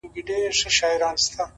• پښتنه ده آخير؛